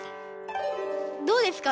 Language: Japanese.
どうですかね？